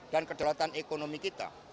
dan kedaulatan ekonomi kita